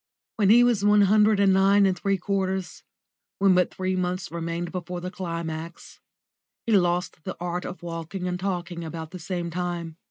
When he was one hundred and nine and three quarters when but three months remained before the climax he lost the art of walking and talking about the same time.